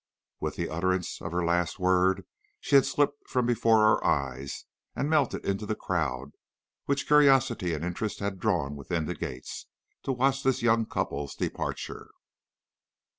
With the utterance of her last word, she had slipped from before our eyes and melted into the crowd which curiosity and interest had drawn within the gates, to watch this young couple's departure.